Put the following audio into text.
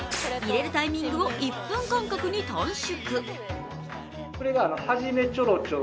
入れるタイミングを１分間隔に短縮。